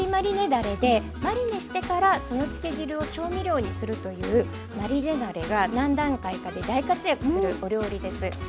だれでマリネしてからその漬け汁を調味料にするというマリネだれが何段階かで大活躍するお料理です。